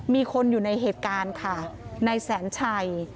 มีคนอยู่ในเหตุการณ์ค่ะนายแสนชัย